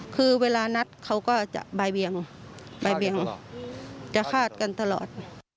คือเวลานัดเขาก็จะบายเบียงจะฆาตกันตลอด